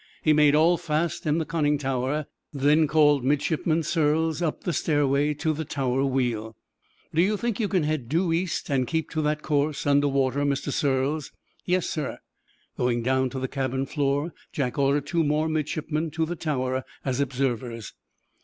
He made all fast in the conning tower, then called Midshipman Surles up the stairway to the tower wheel. "Do you think you can head due east and keep to that course under water, Mr. Surles?" "Yes, sir." Going down to the cabin floor, Jack ordered two more midshipmen to the tower as observers.